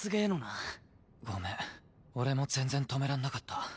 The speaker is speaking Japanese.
ごめん俺も全然止めらんなかった。